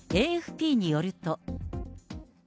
ＡＦＰによると。